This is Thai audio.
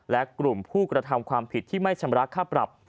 และกลุ่มผู้กระทำความผิดที่ไม่ชำระค่าปรับ